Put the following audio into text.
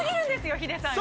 ヒデさんが。